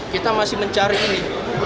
kita masih mencari ini